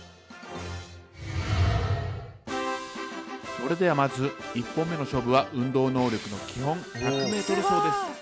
それではまず１本目の勝負は運動能力の基本１００ｍ走です。